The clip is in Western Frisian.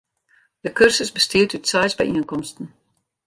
De kursus bestiet út seis byienkomsten.